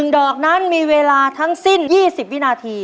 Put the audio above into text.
ดอกนั้นมีเวลาทั้งสิ้น๒๐วินาที